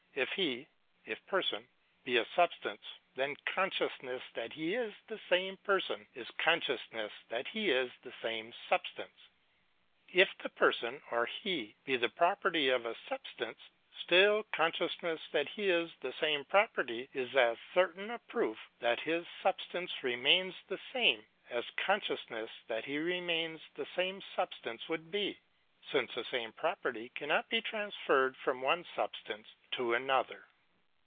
If he, if person, be a substance, then, consciousness that he is the same person is consciousness that he is the same substance. If the person, or he, be the property of a substance, still consciousness that he is the same property is as cer tain a proof that his substance remains the same, as con sciousness that he remains the same substance would be: since the same property cannot he transferred from one substance to another.